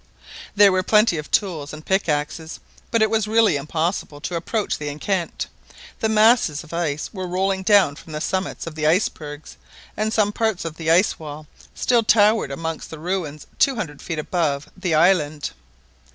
There were plenty of tools and pickaxes, but it was really impossible to approach the enceinte. The masses of ice were rolling down from the summits of the icebergs, and some parts of the ice wall still towered amongst the ruins two hundred feet above the island.